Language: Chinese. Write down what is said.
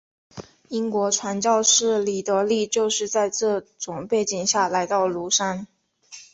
英国传教士李德立就是在这种背景下来到庐山。